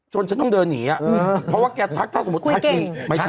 ฉันต้องเดินหนีอ่ะเพราะว่าแกทักถ้าสมมุติทักหนีไม่ใช่